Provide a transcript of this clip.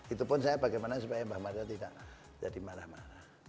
itu pun saya bagaimana supaya mbak mario tidak jadi marah marah